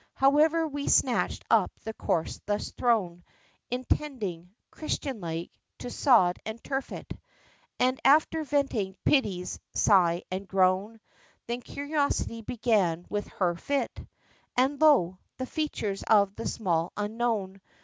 However, we snatched up the corse thus thrown, Intending, Christian like, to sod and turf it, And after venting Pity's sigh and groan, Then curiosity began with her fit; And lo! the features of the Small Unknown!